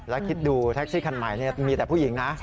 แล้วคิดดูแท็กซี่คันใหม่มีแต่ผู้หญิงนะ